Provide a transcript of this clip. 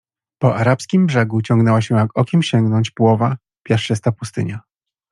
Po arabskim brzegu ciągnęła się jak okiem sięgnąć płowa, piaszczysta pustynia.